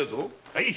はい！